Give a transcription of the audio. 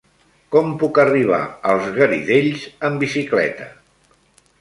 Com puc arribar als Garidells amb bicicleta?